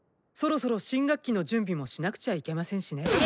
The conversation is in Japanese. そろそろ新学期の準備もしなくちゃいけませんしね。